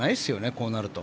こうなると。